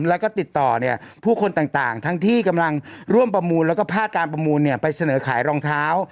แล้วก็ติดต่อผู้คนต่างทั้งที่กำลังร่วมประมูลแล้วก็ภาคการประมูลไปเสนอขายรองเท้า